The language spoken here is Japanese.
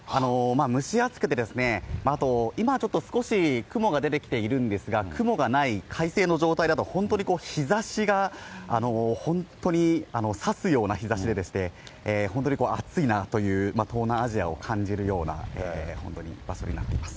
蒸し暑くてですね、あと今ちょっと少し雲が出てきているんですが、雲がない快晴の状態だと、本当に日ざしが本当に刺すような日ざしで、本当に暑いなという、東南アジアを感じるような、本当に場所になっています。